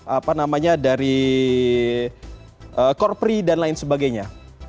apa namanya dari korpri dan lain sebagainya